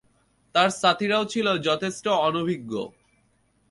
তার সাথিরাও ছিল যথেষ্ট অভিজ্ঞ।